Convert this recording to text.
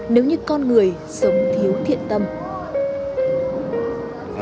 nếu như con người sống thiếu thiện tâm